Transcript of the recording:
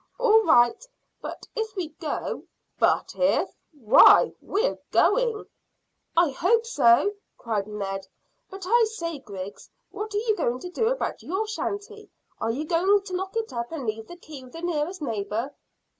"All right. But if we go " "But if! Why, we are going." "I hope so," cried Ned. "But I say, Griggs, what are you going to do about your shanty? Are you going to lock it up and leave the key with the nearest neighbour?"